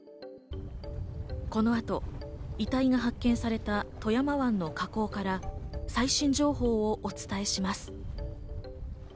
この後、遺体が発見された富山湾の河口から最新情報をお伝えします。